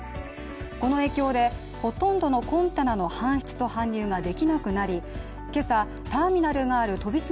この影響でほとんどのコンテナの搬出と搬入ができなくなりけさ、ターミナルがある飛島